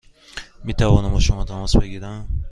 می توانم با شما تماس بگیرم؟